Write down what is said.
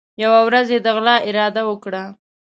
یوه ورځ یې د غلا اراده وکړه.